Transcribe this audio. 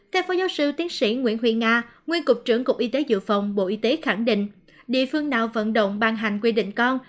các phó giáo sư tiến sĩ nguyễn huy nga nguyên cục trưởng cục y tế dự phòng bộ y tế khẳng định địa phương nào vận động ban hành quy định con